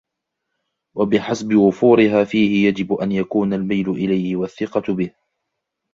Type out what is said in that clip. وَبِحَسَبِ وُفُورِهَا فِيهِ يَجِبُ أَنْ يَكُونَ الْمَيْلُ إلَيْهِ وَالثِّقَةُ بِهِ